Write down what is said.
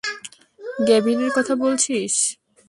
গ্যাভিনের কথা বলছিস?